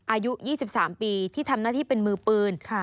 อายุ๒๓ปีที่ทำหน้าที่เป็นมือปืน